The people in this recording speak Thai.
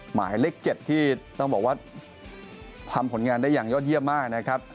หมายเลข๗ที่ต้องบอกว่าทำผลงานได้อย่างยอดเยี่ยมมากนะครับ